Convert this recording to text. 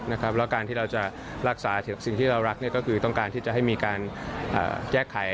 แล้วการที่เราจะรักษาสิ่งที่เรารักก็คือต้องการที่จะให้มีการแก้ไข